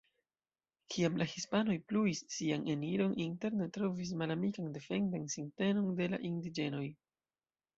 Kiam la hispanoj pluis sian eniron interne trovis malamikan defendan sintenon de la indiĝenoj.